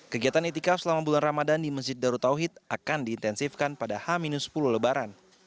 kegiatan itikaf selama bulan ramadan di masjid darutauhid akan diintensifkan pada h sepuluh lebaran